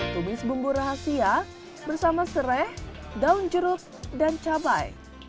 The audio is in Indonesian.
tumis bumbu rahasia bersama serai daun jeruk dan cabai